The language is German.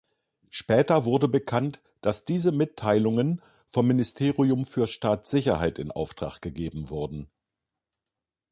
Später wurde bekannt, dass diese Mitteilungen vom Ministerium für Staatssicherheit in Auftrag gegeben wurden.